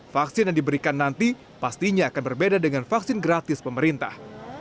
vaksin yang diberikan nanti pastinya akan berbeda dengan vaksin gratis pemerintah